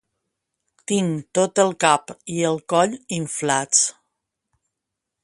Tinc tot el cap i el coll inflats.